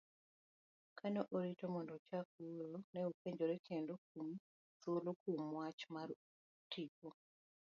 Kane orito mondo ochak wuoyo, nopenjore kendo kuom thuolo kuom mwach mar tipo.